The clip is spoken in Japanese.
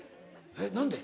えっ何で？